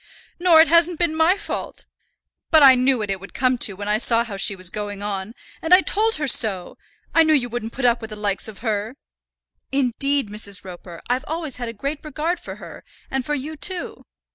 "Nor it hasn't been my fault. But I knew what it would come to when I saw how she was going on; and I told her so. I knew you wouldn't put up with the likes of her." "Indeed, Mrs. Roper, I've always had a great regard for her, and for you too."